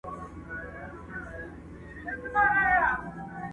دا کيسه د فکر سبب ګرځي او احساس ژوروي تل.